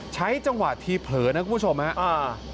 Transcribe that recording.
ใช้จังหวะที่เหลือนะพี่คุณผู้ชมน่ะ